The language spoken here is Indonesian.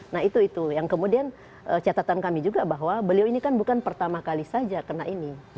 nah itu itu yang kemudian catatan kami juga bahwa beliau ini kan bukan pertama kali saja kena ini